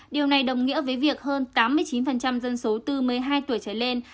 điều này đồng nghĩa với việc hơn tám mươi chín dân số từ một mươi hai tuổi trở lên